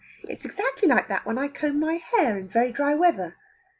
It's exactly like that when I comb my hair in very dry weather."